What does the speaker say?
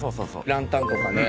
ランタンとかね